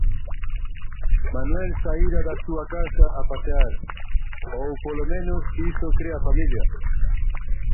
Manuel saíra da súa casa a pasear, ou polo menos iso cre a familia.